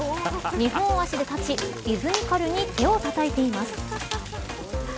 ２本足で立ちリズミカルに手をたたいています。